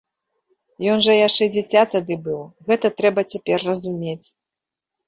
Ён жа яшчэ дзіця тады быў, гэта трэба цяпер разумець.